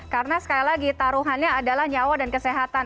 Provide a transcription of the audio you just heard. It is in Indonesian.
karena sekali lagi taruhannya adalah nyawa dan kesehatan